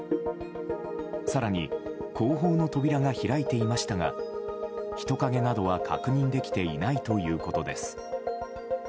更に、後方の扉が開いていましたが人影などは確認できていないということです。